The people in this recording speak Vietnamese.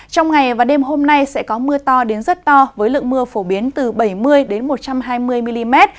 trong ngày và đêm hôm nay sẽ có mưa to đến rất to với lượng mưa phổ biến từ bảy mươi một trăm hai mươi mm